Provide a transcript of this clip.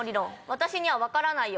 私には分からないよ。